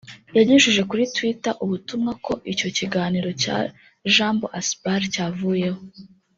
yanyujije kuri Twitter ubutumwa ko icyo kiganiro cya "Jambo asbl" cyavuyeho